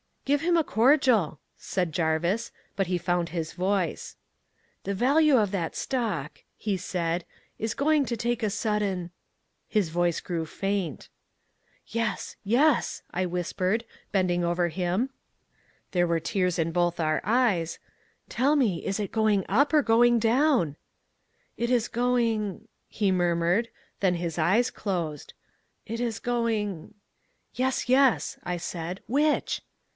"'Give him a cordial,' said Jarvis. But he found his voice. "'The value of that stock,' he said, 'is going to take a sudden ' "His voice grew faint. "'Yes, yes,' I whispered, bending over him (there were tears in both our eyes), 'tell me is it going up, or going down?' "'It is going' he murmured, then his eyes closed 'it is going ' "'Yes, yes,' I said, 'which?'